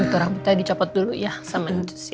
turah putih aja dicopot dulu ya sama nacus ya